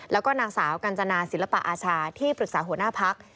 แล้วก็นางสาวกัญจนาศิลปะอาชาที่ปรึกษาหัวหน้าพัก